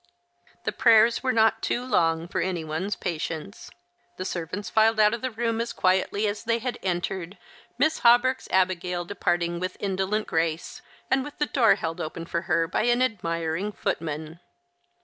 The prayers were not too long for any one's patience. The servants filed out of the room as quietly as they had entered, Miss Hawberk's Abigail departing with an indolent grace, and with the door held open for her by an admiring footman.